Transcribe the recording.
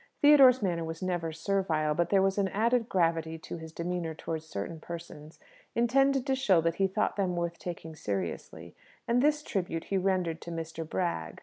Theodore's manner was never servile, but there was an added gravity in his demeanour towards certain persons, intended to show that he thought them worth taking seriously; and this tribute he rendered to Mr. Bragg.